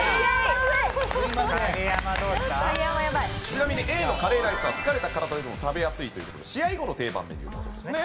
ちなみにＡのカレーライスは疲れた体でも食べやすいという事で試合後の定番メニューだそうですね。